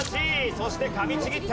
そして噛みちぎった！